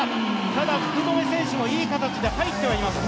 ただ、福留選手もいい形で入ってはいます。